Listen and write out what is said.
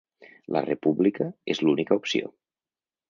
La república és l’única opció.